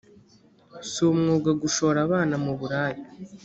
si umwuga gushora abana mu buraya